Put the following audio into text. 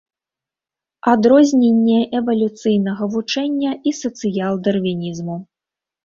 Адрозненне эвалюцыйнага вучэння і сацыял-дарвінізму.